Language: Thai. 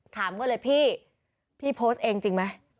ถามก็เลยพี่พี่โพสต์เองจริงไหม